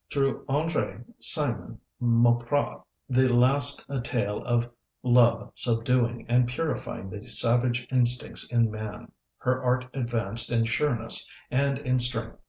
Through Andr├®, Simon, Mauprat the last a tale of love subduing and purifying the savage instincts in man her art advanced in sureness and in strength.